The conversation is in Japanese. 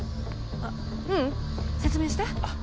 あっううん説明して。